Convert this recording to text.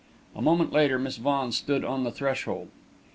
A moment later Miss Vaughan stood on the threshold.